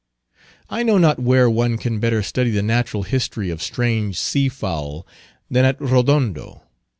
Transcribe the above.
I know not where one can better study the Natural History of strange sea fowl than at Rodondo.